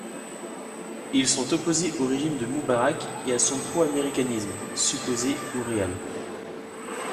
Ils sont opposés au régime de Moubarak et à son pro-américanisme, supposé ou réel.